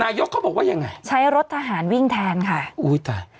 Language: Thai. เขาบอกว่ายังไงใช้รถทหารวิ่งแทนค่ะอุ้ยตาย